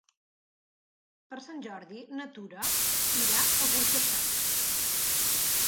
Per Sant Jordi na Tura irà a Burjassot.